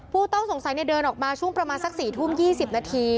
ผู้ต้องสงสัยเดินออกมาช่วงประมาณสัก๔ทุ่ม๒๐นาที